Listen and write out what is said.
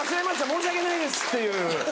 申し訳ないです」っていう。